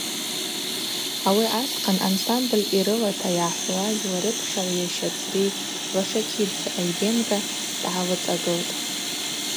Ауи асхъан ансамбль йрылата йгӏахӏвуаз ларыпхьагӏв йаща цри Вашакидзе Айвенго дгӏалыцӏагылтӏ.